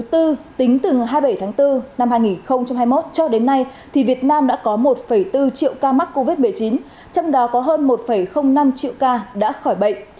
tính từ ngày hai mươi bảy tháng bốn năm hai nghìn hai mươi một cho đến nay việt nam đã có một bốn triệu ca mắc covid một mươi chín trong đó có hơn một năm triệu ca đã khỏi bệnh